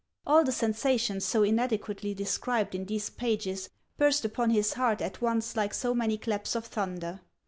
All the sensations so inadequately described in these pages burst upon his heart at once like so many claps of thunder.